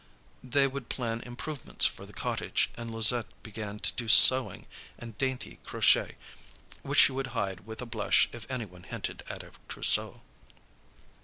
They would plan improvements for the cottage, and Louisette began to do sewing and dainty crochet, which she would hide with a blush if anyone hinted at a trousseau.